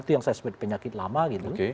itu yang saya sebut penyakit lama gitu